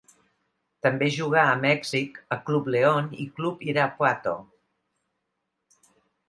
També jugà a Mèxic a Club León i Club Irapuato.